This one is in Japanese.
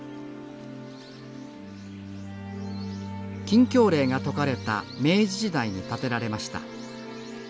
禁教令が解かれた明治時代に建てられました。